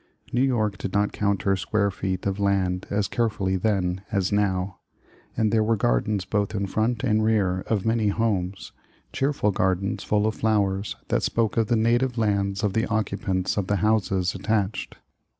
New York did not count her square feet of land as carefully then as now, and there were gardens both in front and rear of many 67 The Original John Jacob Astor homes, — cheerful gardens full of flowers, that spoke of the native lands of the occupants of the houses at tached.